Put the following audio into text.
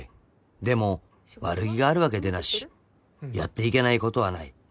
［でも悪気があるわけでなしやっていけないことはない］